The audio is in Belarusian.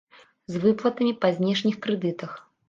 З выплатамі па знешніх крэдытах.